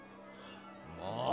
もう！